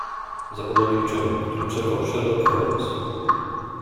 "Zapadło milczenie, które przerwał Sherlock Holmes."